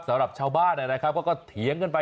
สำหรับชาวบ้านนั้นก็เถียงกันไป